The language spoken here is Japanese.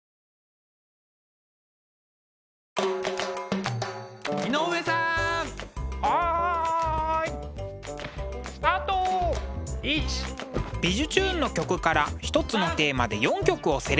「びじゅチューン！」の曲から一つのテーマで４曲をセレクト。